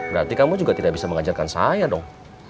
berarti kamu juga tidak bisa mengajarkan saya dong